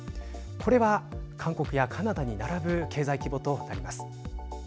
これは、韓国やカナダに並ぶ経済規模となります。